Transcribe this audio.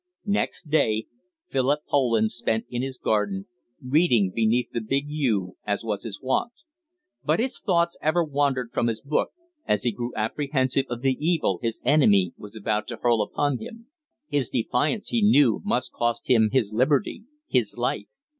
Next day Philip Poland spent in his garden, reading beneath the big yew, as was his wont. But his thoughts ever wandered from his book, as he grew apprehensive of the evil his enemy was about to hurl upon him. His defiance, he knew, must cost him his liberty his life.